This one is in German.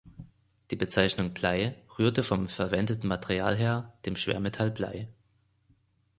Die Bezeichnung "Blei" rührt vom verwendeten Material her, dem Schwermetall Blei.